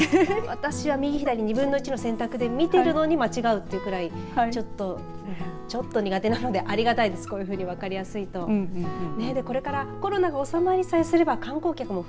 私は右左、２分の１の選択で見てるのに間違うというくらいちょっと苦手なのでこういうふうになると分かりやすいです。